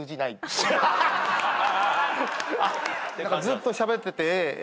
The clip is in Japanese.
ずっとしゃべってて。